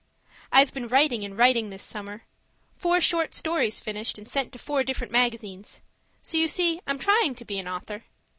I've been writing and writing this summer; four short stories finished and sent to four different magazines. So you see I'm trying to be an author.